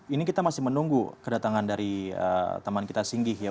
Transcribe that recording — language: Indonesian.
ini kita masih menunggu kedatangan dari teman kita singgih ya